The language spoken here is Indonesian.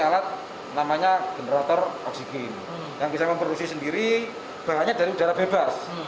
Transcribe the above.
alat namanya generator oksigen yang bisa memproduksi sendiri bahannya dari udara bebas